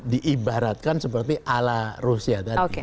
diibaratkan seperti ala rusia tadi